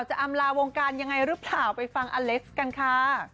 อำลาวงการยังไงหรือเปล่าไปฟังอเล็กซ์กันค่ะ